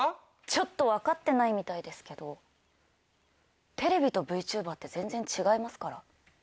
ちょっと分かってないみたいですけどテレビとＶＴｕｂｅｒって全然違いますから。